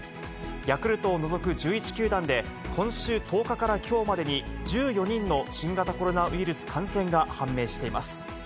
ヤクルトを除く１１球団で、今週１０日からきょうまでに、１４人の新型コロナウイルス感染が判明しています。